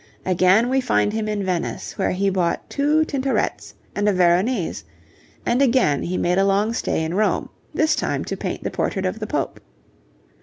Again we find him in Venice, where he bought two Tintorets and a Veronese, and again he made a long stay in Rome, this time to paint the portrait of the Pope.